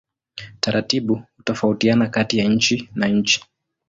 Taratibu hutofautiana kati ya nchi na nchi.